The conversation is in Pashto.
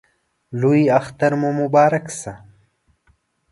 لوی اختر مو مبارک شه